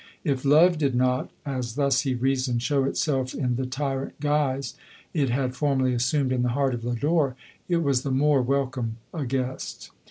If love did not, as thus he reasoned, show itself in the tyrant guise it had formerly assumed in the heart of Lodore, it was the more welcome a guest.